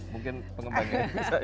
mungkin pengembangnya bisa ini ya